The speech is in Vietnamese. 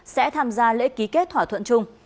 sẽ tham gia lễ ký kết thỏa thuận chung